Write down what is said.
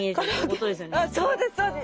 そうですそうです。